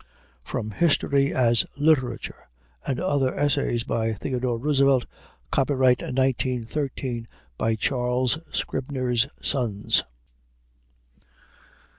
[From History as Literature and Other Essays, by Theodore Roosevelt. Copyright, 1913, by Charles Scribner's Sons.